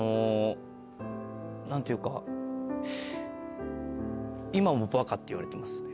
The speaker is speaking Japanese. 何ていうか今も「バカ」って言われてますねそれは。